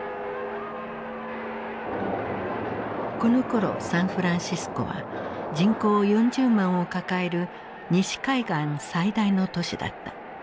このころサンフランシスコは人口４０万を抱える西海岸最大の都市だった。